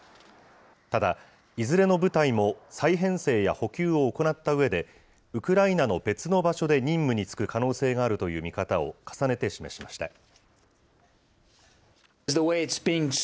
ただ、いずれの部隊も再編成や補給を行ったうえで、ウクライナの別の場所で任務に就く可能性があるという見方を重ねて示しました。